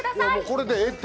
これでええって。